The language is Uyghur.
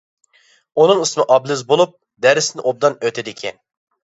ئۇنىڭ ئىسمى ئابلىز بولۇپ، دەرسنى ئوبدان ئۆتىدىكەن.